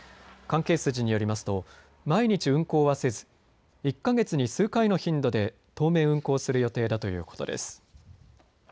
関係筋によりますと毎日運行はせず、１か月に数回の頻度で当面運行する予定だということです。